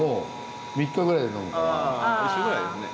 一緒ぐらいですね。